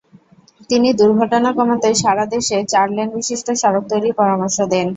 তিনি দুর্ঘটনা কমাতে সারা দেশে চার লেনবিশিষ্ট সড়ক তৈরির পরামর্শ দেন।